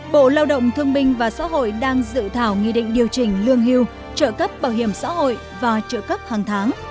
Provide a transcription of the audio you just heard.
bộ lao động thương minh và xã hội đang dự thảo nghị định điều chỉnh lương hưu trợ cấp bảo hiểm xã hội và trợ cấp hàng tháng